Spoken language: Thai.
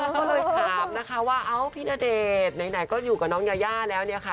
ก็เลยถามนะคะว่าเอ้าพี่ณเดชน์ไหนก็อยู่กับน้องยายาแล้วเนี่ยค่ะ